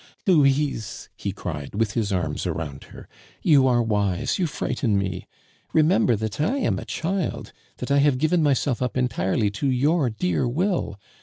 "Louise," he cried, with his arms around her, "you are wise; you frighten me! Remember that I am a child, that I have given myself up entirely to your dear will.